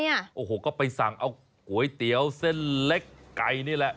โอ้โหก็ไปสั่งเอาก๋วยเตี๋ยวเส้นเล็กไก่นี่แหละ